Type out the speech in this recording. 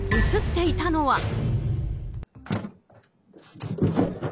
映っていたのは。